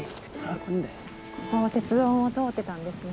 ここも鉄道通ってたんですね。